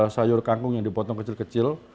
sayur kangkung yang dipotong kecil kecil